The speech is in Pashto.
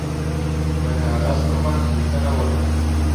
د کاغذ پر مخ لیکنه وکړه.